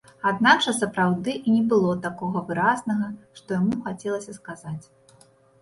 Аднак жа сапраўды і не было таго выразнага, што яму хацелася сказаць.